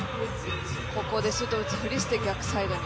ここでシュートを打つふりをして逆サイドに。